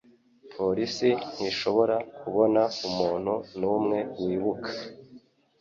Polisi ntishobora kubona umuntu numwe wibuka